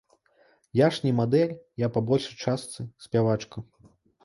Я ж не мадэль, я па большай частцы спявачка.